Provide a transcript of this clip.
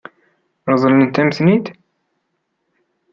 Ṛeḍlent-am-ten-id?